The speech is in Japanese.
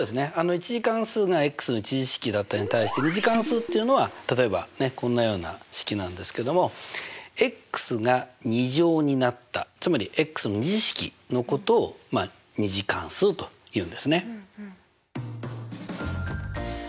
１次関数がの１次式だったのに対して２次関数っていうのは例えばこんなような式なんですけども。が２乗になったつまりの２次式のこ２次関数というんですね。